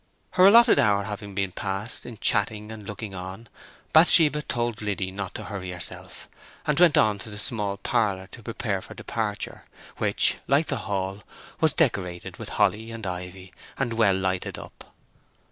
Her allotted hour having been passed in chatting and looking on, Bathsheba told Liddy not to hurry herself, and went to the small parlour to prepare for departure, which, like the hall, was decorated with holly and ivy, and well lighted up.